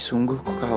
sungguh aku tak mau